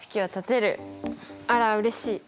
あらうれしい！